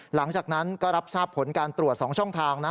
หลังจากนั้นก็รับทราบผลการตรวจ๒ช่องทางนะ